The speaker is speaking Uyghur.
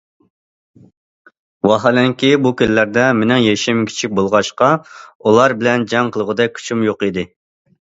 ۋاھالەنكى ئۇ كۈنلەردە مېنىڭ يېشىم كىچىك بولغاچقا، ئۇلار بىلەن جەڭ قىلغۇدەك كۈچۈم يوق ئىدى.